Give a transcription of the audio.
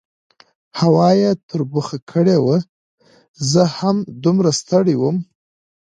هوا یې تربخه کړې وه، زه هم دومره ستړی وم.